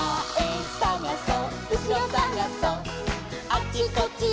あっち！」